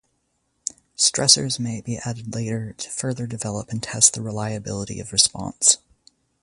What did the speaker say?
Stressors may be added later to further develop and test the reliability of response.